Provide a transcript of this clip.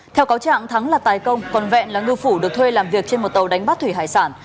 theo cáo trạng thắng là tài công còn vẹn là ngư phủ được thuê làm việc trên một tàu đánh bắt thủy hải sản